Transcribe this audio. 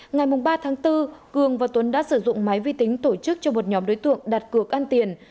ngày ba tháng bốn cường và tuấn đã sử dụng máy vi tính tổ chức cho một nhóm đối tượng đặt cược ăn tiền